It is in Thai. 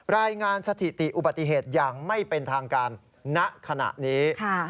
รายงานสถิติอุบัติเหตุอย่างไม่เป็นทางการณขณะนี้